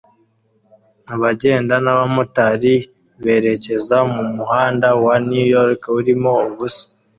Abagenda n'abamotari berekeza mu muhanda wa New York urimo ubusa